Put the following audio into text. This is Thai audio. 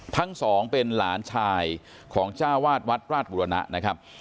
ทั้งสองเป็นหลานชายของจ้าวาดวัดราชบุรณะนะครับ